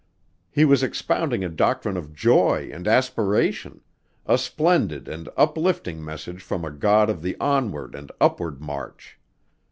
He was expounding a doctrine of joy and aspiration: a splendid and uplifting message from a God of the onward and upward march.